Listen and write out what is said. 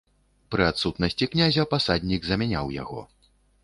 Пры адсутнасці князя пасаднік замяняў яго.